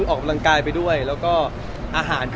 อ๋อน้องมีหลายคน